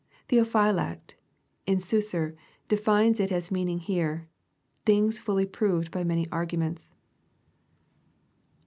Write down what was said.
Theophylact, in Suicer, defines it as meaning here, " things fully proved by many arguments."